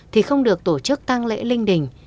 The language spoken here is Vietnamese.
thì không được tổ chức tăng lễ linh đình